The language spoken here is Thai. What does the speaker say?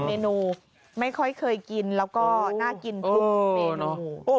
เมนูไม่ค่อยเคยกินแล้วก็น่ากินทุกเมนู